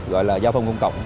gọi là giao thông công cộng